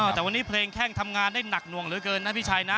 แต่วันนี้เพลงแข้งทำงานได้หนักหน่วงเหลือเกินนะพี่ชัยนะ